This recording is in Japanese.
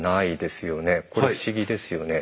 これ不思議ですよね。